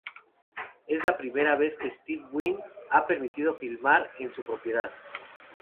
Es la primera vez que Steve Wynn ha permitido filmar en su propiedad.